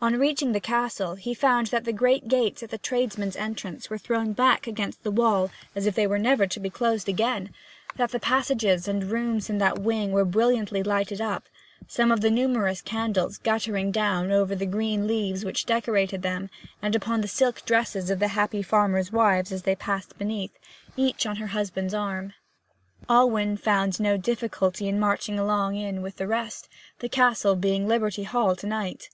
On reaching the castle he found that the great gates at the tradesmen's entrance were thrown back against the wall as if they were never to be closed again; that the passages and rooms in that wing were brilliantly lighted up, some of the numerous candles guttering down over the green leaves which decorated them, and upon the silk dresses of the happy farmers' wives as they passed beneath, each on her husband's arm. Alwyn found no difficulty in marching in along with the rest, the castle being Liberty Hall to night.